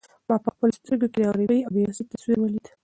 ما په خپلو سترګو کې د غریبۍ او بې وسۍ تصویر ولید.